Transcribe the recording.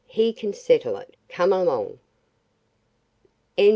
He can settle it. Come along."